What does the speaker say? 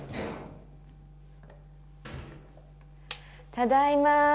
ただいま